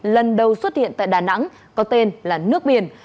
lần đầu xuất hiện tại đà nẵng có tên là nước biển